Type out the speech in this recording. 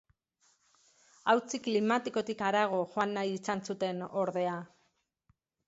Auzi klimatikotik harago joan nahi izan zuten, ordea.